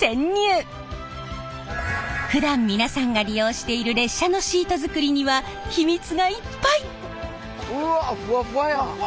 ふだん皆さんが利用している列車のシート作りにはヒミツがいっぱい！